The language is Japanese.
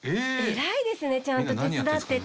偉いですねちゃんと手伝ってて。